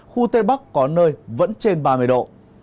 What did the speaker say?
khu tây bắc có nơi vẫn trên ba mươi độ